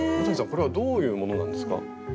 これはどういうものなんですか？